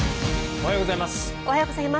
おはようございます。